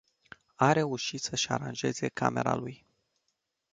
A reușit să-și aranjeze camera lui.